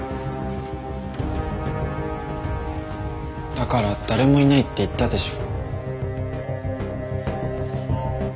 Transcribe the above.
だから誰もいないって言ったでしょ。